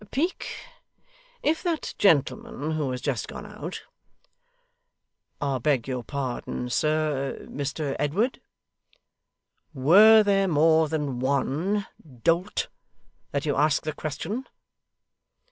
'Peak if that gentleman who has just gone out ' 'I beg your pardon, sir, Mr Edward?' 'Were there more than one, dolt, that you ask the question?